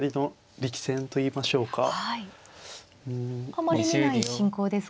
あまり見ない進行ですか。